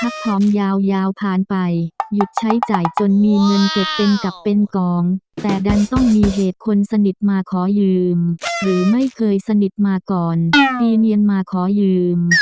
พร้อมยาวยาวผ่านไปหยุดใช้จ่ายจนมีเงินเก็บเป็นกับเป็นกองแต่ดันต้องมีเหตุคนสนิทมาขอยืมหรือไม่เคยสนิทมาก่อนปีเรียนมาขอยืม